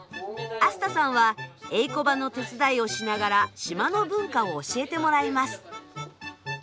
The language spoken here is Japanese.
アスタさんはえいこばの手伝いをしながら島の文化を教えてもらいます。